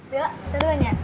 yuk kita duan ya